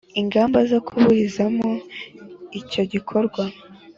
ingamba zo kuburizamo icyo gikorwa.